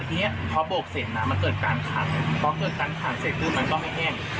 ทีนี้พอโบกเสร็จนะมันเกิดการขัดพอเกิดการขัดเสร็จปุ๊บมันก็ไม่แห้ง